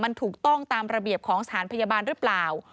มันถูกต้องตามระเบียบของสถานพยาบาลหรือเปล่า